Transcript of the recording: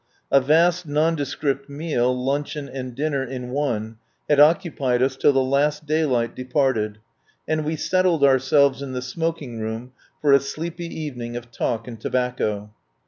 A vast nondescript meal, luncheon and dinner in one, had occupied us till the last daylight departed, and we settled ourselves in the smoking room for a sleepy evening of talk and tobacco.